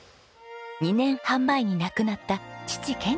２年半前に亡くなった父賢二さん。